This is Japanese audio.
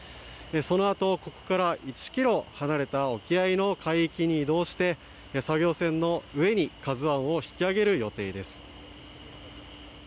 そのあと、ここから１ｋｍ離れた沖合の海域に移動して作業船の上に「ＫＡＺＵ１」を引き揚げる予定です。